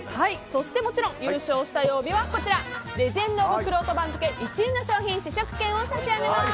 そしてもちろん優勝した曜日はレジェンド・オブ・くろうと番付１位の商品試食券を差し上げます！